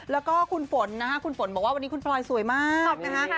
แล้วก็คุณฝนนะครับว่าวันนี้คุณปลอยสวยมากขอบนะฮะ